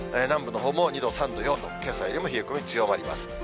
南部のほうも２度、３度、４度、けさよりも冷え込み強まります。